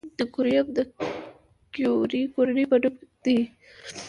د کوریوم د کیوري کورنۍ په نوم دی.